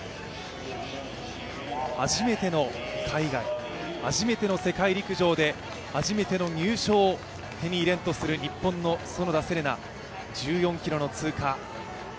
初めての海外、初めての世界陸上で初めの入賞を手に入れんとする日本の園田世玲奈、１４ｋｍの通過。